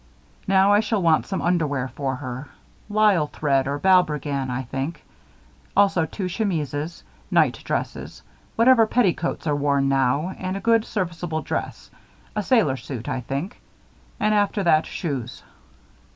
"Now I shall want some underwear for her. Lisle thread or balbriggan, I think. Also two chemises, night dresses, whatever petticoats are worn now and a good, serviceable dress a sailor suit, I think. And after that shoes."